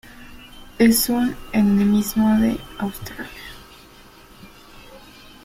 Es un endemismo de Australia